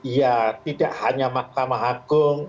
ya tidak hanya mahkamah agung